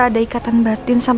pasti kau bakal russ